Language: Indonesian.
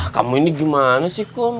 kamu ini gimana sih kum